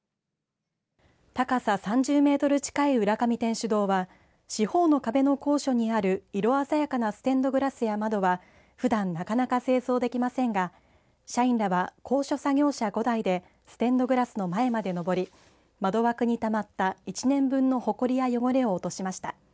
高さ３０メートル近い浦上天主堂は四方の壁の高所にある色鮮やかなステンドグラスや窓は、ふだんなかなか清掃できませんが社員らが高所作業車５台でステンドグラスの前までのぼり窓枠にたまった１年分のほこりや汚れを落としました。